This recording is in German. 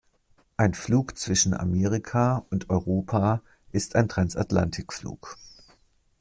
Ein Flug zwischen Amerika und Europa ist ein Transatlantikflug.